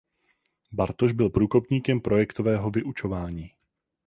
Bartoš byl průkopníkem projektového vyučování.